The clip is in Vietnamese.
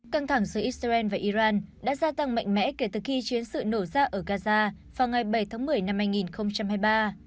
căng thẳng giữa israel và iran đã gia tăng mạnh mẽ kể từ khi chiến sự nổ ra ở gaza vào ngày bảy tháng một mươi năm hai nghìn hai mươi ba